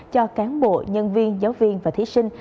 cho cán bộ nhân viên giáo viên và thí sinh